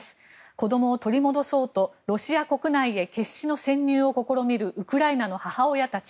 子どもを取り戻そうとロシア国内へ決死の潜入を試みるウクライナの母親たち。